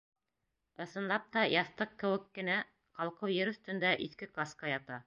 Ысынлап та, яҫтыҡ кеүек кенә ҡалҡыу ер өҫтөндә иҫке каска ята.